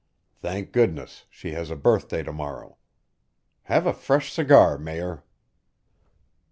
Thank goodness, she has a birthday to morrow! Have a fresh cigar, Mayor."